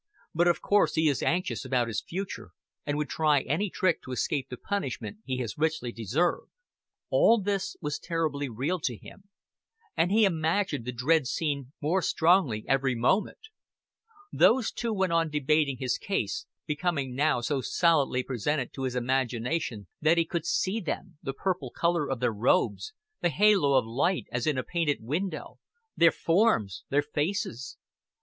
But of course he is anxious about his future, and would try any trick to escape the punishment he has richly deserved." All this was terribly real to him, and he imagined the dread scene more strongly every moment. Those Two went on debating his case becoming now so solidly presented to his imagination that he could see Them, the purple color of Their robes, the halo of light as in a painted window, Their forms, Their faces.